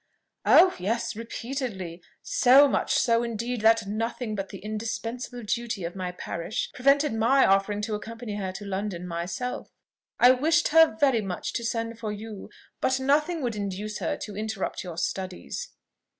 "Oh yes, repeatedly; so much so, indeed, that nothing but the indispensable duty of my parish, prevented my offering to accompany her to London myself. I wished her very much to send for you; but nothing would induce her to interrupt your studies."